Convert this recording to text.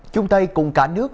trung tây cùng cả nước